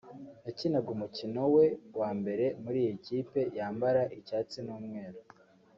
yakinaga umukino we wa mbere muri iyi kipe yambara icyatsi n’umweru